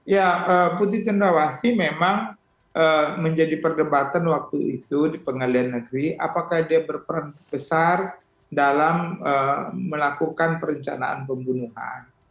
ya putri cendrawati memang menjadi perdebatan waktu itu di pengadilan negeri apakah dia berperan besar dalam melakukan perencanaan pembunuhan